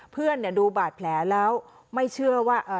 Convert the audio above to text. เพื่อนเนี่ยดูบาดแผลแล้วไม่เชื่อว่าเอ่อ